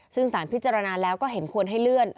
ซึ่งสารพิจารณาแล้วก็เห็นควรให้เลื่อน